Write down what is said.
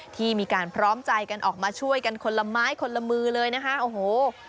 ที่มีการพร้อมใจกันออกมาช่วยกันคนละไม้คนละมือเลยนะคะโอ้โห